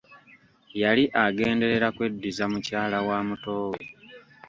Yali agenderera kweddiza mukyala wa muto we.